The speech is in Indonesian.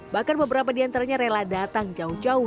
bahkan beberapa di antaranya rela datang jauh jauh